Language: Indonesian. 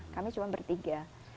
kami cuma bertiga